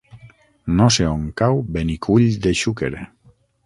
No sé on cau Benicull de Xúquer.